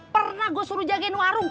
pernah gue suruh jagain warung